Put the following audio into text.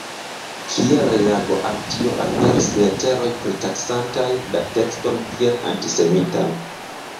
Kiel reago al tio aperis leteroj pritaksantaj la tekston kiel antisemitan.